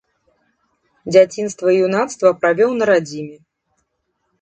Дзяцінства і юнацтва правёў на радзіме.